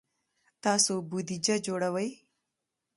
تاسو بودیجه جوړوئ؟